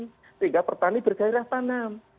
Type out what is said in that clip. sehingga pertani bergairah tanam